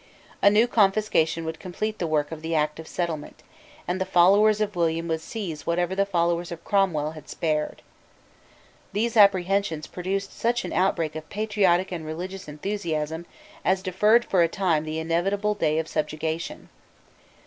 A new confiscation would complete the work of the Act of Settlement; and the followers of William would seize whatever the followers of Cromwell had spared. These apprehensions produced such an outbreak of patriotic and religious enthusiasm as deferred for a time the inevitable day of subjugation.